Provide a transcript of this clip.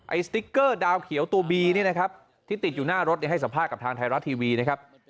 สติ๊กเกอร์ดาวเขียวตัวบีเนี่ยนะครับที่ติดอยู่หน้ารถให้สัมภาษณ์กับทางไทยรัฐทีวีนะครับ